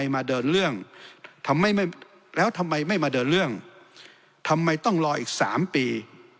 แล้วทำไมไม่มาเดินเรื่องทำไมต้องรออีก๓ปี